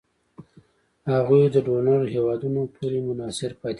هغوی د ډونر هېوادونو پورې منحصر پاتې کیږي.